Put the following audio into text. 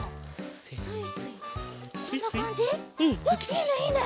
いいねいいね！